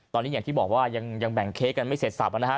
ตอนนี้อย่างที่บอกว่ายังแบ่งเค้กกันไม่เสร็จสับนะฮะ